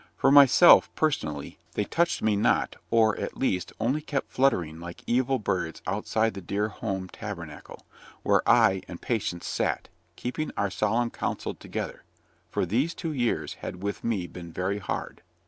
For myself, personally, they touched me not, or, at least, only kept fluttering like evil birds outside the dear home tabernacle, where I and Patience sat, keeping our solemn counsel together for these two years had with me been very hard.